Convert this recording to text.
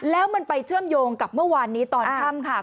แล้วมันไปเชื่อมโยงกับเมื่อวานนี้ตอนค่ำค่ะ